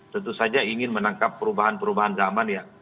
tentu saja ingin menangkap perubahan perubahan zaman ya